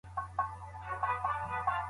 هغه خپل کمپیوټر په پام سره روښانه کړ.